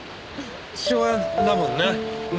父親だもんな！ね！